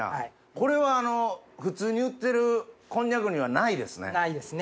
これは普通に売ってるこんにゃくにはないですね。